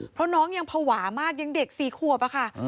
เพราะน้องยังภาวะมากยังเด็ก๔ขวบอะค่ะ